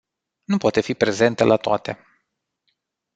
Nu poate fi prezentă la toate.